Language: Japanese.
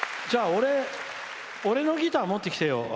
じゃあ、俺のギター持ってきてよ。